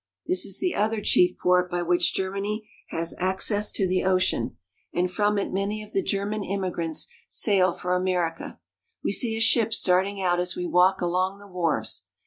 This is the other chief port by which Germany has access to the ocean, and from it many of the German emigrants sail for America. We see a ship starting out as we walk along the wharves.